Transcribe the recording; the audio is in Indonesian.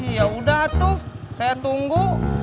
yaudah tuh saya tunggu